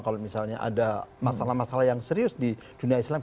kalau misalnya ada masalah masalah yang serius di dunia islam